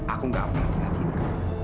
aku gak akan hati hatiin kakak